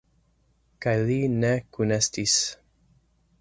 Kaj li ne kunestis.